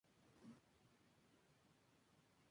Suelen mostrar gran actividad durante el día.